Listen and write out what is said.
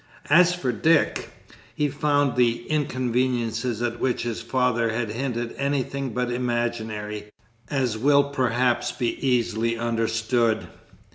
As for Dick, he found the inconveniences at which his father had hinted anything but imaginary, as will perhaps be easily understood.